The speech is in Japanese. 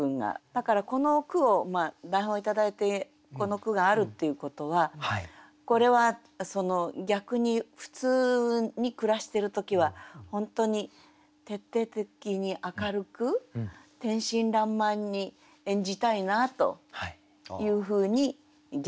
だからこの句を台本を頂いてこの句があるっていうことはこれは逆に普通に暮らしてる時は本当に徹底的に明るく天真らんまんに演じたいなというふうに逆に思いました。